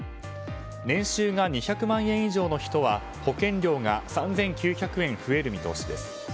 年収が２００万円以上の人は保険料が３９００円増える見通しです。